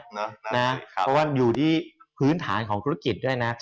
เพราะว่าอยู่ที่พื้นฐานของธุรกิจด้วยนะ